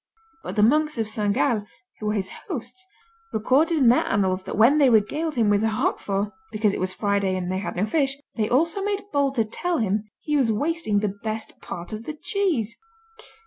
But the monks of Saint Gall, who were his hosts, recorded in their annals that when they regaled him with Roquefort (because it was Friday and they had no fish) they also made bold to tell him he was wasting the best part of the cheese.